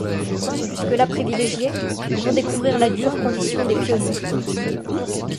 Jusque-là privilégiés, ils vont découvrir la dure condition des pionniers.